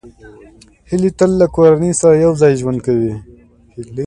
هیلۍ تل له کورنۍ سره یوځای ژوند کوي